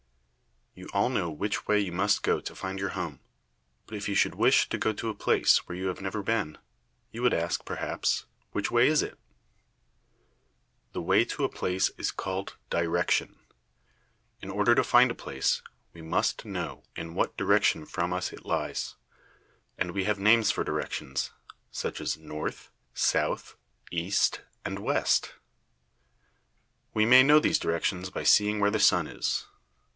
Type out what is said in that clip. You all know which way you must go to find your home, but if you should wish to go to a place where you have never been, you would ask, perhaps, "Which way is it?" [Illustration: "THE WAY TO A PLACE IS CALLED DIRECTION."] The way to a place is called direction. In order to find a place, we must know in what direction from us it lies, and we have names for directions, such as north, south, east, and west. We may know these directions by seeing where the sun is.